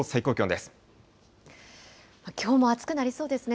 きょうも暑くなりそうですね。